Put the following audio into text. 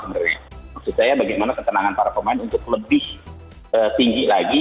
maksud saya bagaimana ketenangan para pemain untuk lebih tinggi lagi